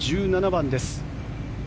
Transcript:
１７番です。